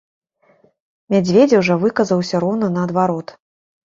Мядзведзеў жа выказаўся роўна наадварот.